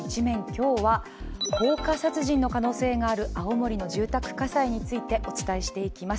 今日は放火殺人の可能性がある、青森の住宅火災についてお伝えしていきます。